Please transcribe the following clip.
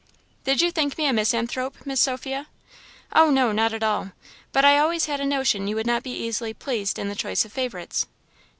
"Did you think me a misanthrope, Miss Sophia?" "Oh, no, not at all; but I always had a notion you would not be easily pleased in the choice of favourites."